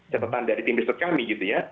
catatan dari tim riset kami gitu ya